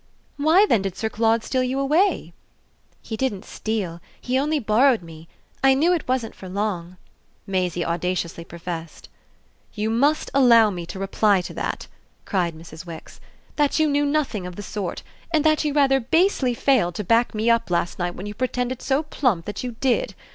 "Why then did Sir Claude steal you away?" "He didn't steal he only borrowed me. I knew it wasn't for long," Maisie audaciously professed. "You must allow me to reply to that," cried Mrs. Wix, "that you knew nothing of the sort, and that you rather basely failed to back me up last night when you pretended so plump that you did!